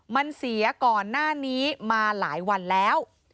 มันเสียก่อนหน้านี้มาหลายวันแล้ว